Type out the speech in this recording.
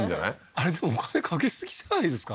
あれでもお金かけすぎじゃないですか？